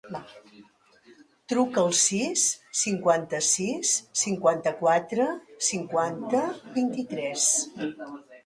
Truca al sis, cinquanta-sis, cinquanta-quatre, cinquanta, vint-i-tres.